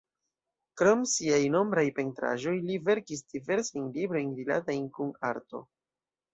Krom siaj nombraj pentraĵoj, li verkis diversajn librojn rilatajn kun arto.